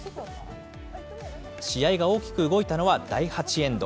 試合が大きく動いたのは、第８エンド。